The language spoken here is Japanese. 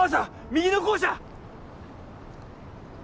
右の校舎！